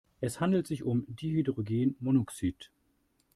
Es handelt sich um Dihydrogenmonoxid.